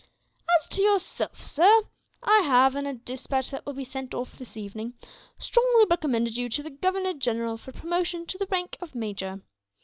"As to yourself, sir, I have, in a despatch that will be sent off this evening, strongly recommended you to the Governor General for promotion to the rank of major.